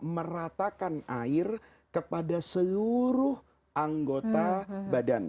meratakan air kepada seluruh anggota badan